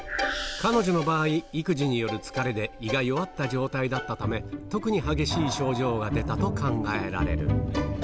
彼女の場合、育児による疲れで、胃が弱った状態だったため、特に激しい症状が出たと考えられる。